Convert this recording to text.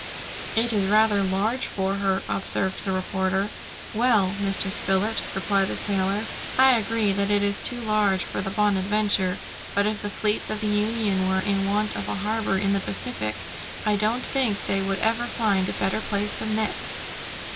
"It is rather large for her!" observed the reporter. "Well! Mr. Spilett," replied the sailor, "I agree that it is too large for the Bonadventure; but if the fleets of the Union were in want of a harbour in the Pacific, I don't think they would ever find a better place than this!"